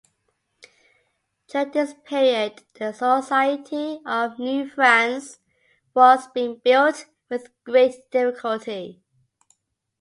During this period, the society of New France was being built with great difficulty.